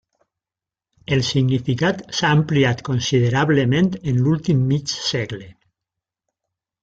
El significat s'ha ampliat considerablement en l'últim mig segle.